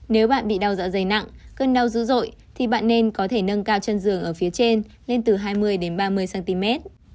nếu bạn bị đau dạ dày nặng cơn đau dữ dội thì bạn nên có thể nâng cao chân giường ở phía trên lên từ hai mươi ba mươi cm